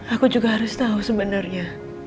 aku juga harus tahu sebenarnya